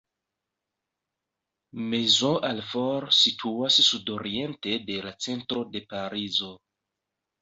Maisons-Alfort situas sudoriente de la centro de Parizo.